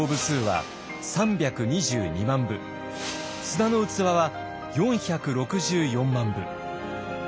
「砂の器」は４６４万部。